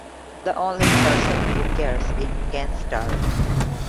The only person who cares is Ken Starr.